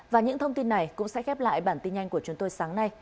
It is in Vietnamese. và những thông tin này cũng sẽ khép lại bản tin nhanh của chúng tôi sáng nay